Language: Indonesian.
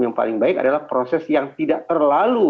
yang paling baik adalah proses yang tidak terlalu